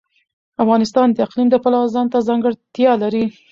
افغانستان د اقلیم د پلوه ځانته ځانګړتیا لري.